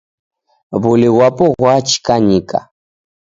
W'uli ghwapo ghwachikanyika.